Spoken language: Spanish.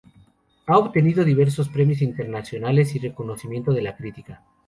Ha obtenido diversos premios internacionales y el reconocimiento de la crítica.